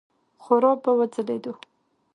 خورا به وځلېدو.